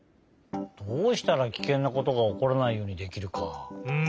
どうしたらキケンなことがおこらないようにできるか。